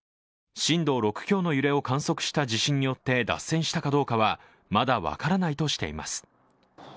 震度６強の揺れを観測した地震によって脱線したかどうかは、まだ分からないとしています。